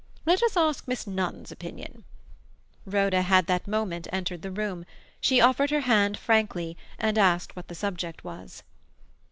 Let us ask Miss Nunn's opinion." Rhoda had that moment entered the room. She offered her hand frankly, and asked what the subject was.